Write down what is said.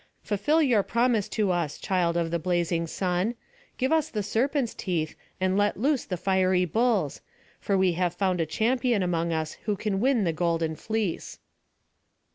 "Fulfil your promise to us, child of the blazing sun. Give us the serpents' teeth, and let loose the fiery bulls; for we have found a champion among us who can win the golden fleece."